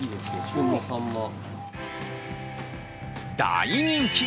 大人気！